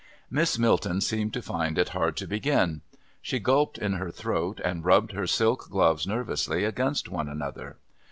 Miss Milton seemed to find it hard to begin. She gulped in her throat and rubbed her silk gloves nervously against one another.